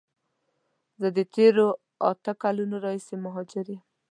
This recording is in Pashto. زه د تیرو اته کالونو راهیسی مهاجر یم.